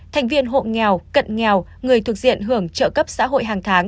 thành viên hộ nghèo cận nghèo người thuộc diện hưởng trợ cấp xã hội hàng tháng